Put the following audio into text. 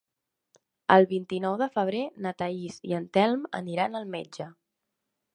El vint-i-nou de febrer na Thaís i en Telm aniran al metge.